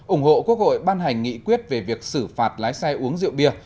ủng hộ quốc hội ban hành nghị quyết về việc xử phạt lái xe uống rượu bia